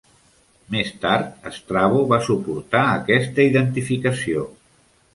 Més tard, Strabo va suportar aquesta identificació.